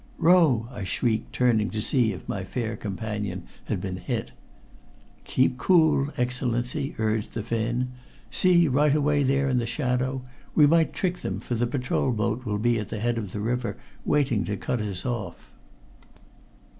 "Row!" I shrieked, turning to see if my fair companion had been hit. "Keep cool, Excellency," urged the Finn. "See, right away there in the shadow. We might trick them, for the patrol boat will be at the head of the river waiting to cut us off."